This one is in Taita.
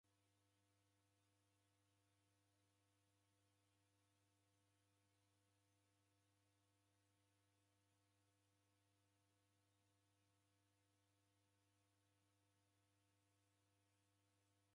W'usaw'i na kurumiria w'asaw'i ni kighirio cha maendeleo.